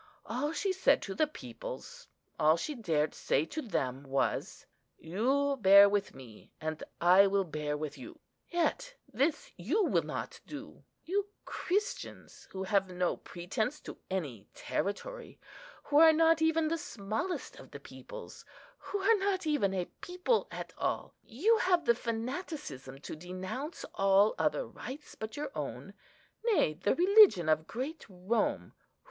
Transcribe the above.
All she said to the peoples, all she dared say to them, was, 'You bear with me, and I will bear with you.' Yet this you will not do; you Christians, who have no pretence to any territory, who are not even the smallest of the peoples, who are not even a people at all, you have the fanaticism to denounce all other rites but your own, nay, the religion of great Rome.